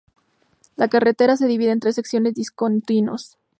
La carretera se divide en tres secciones discontinuos.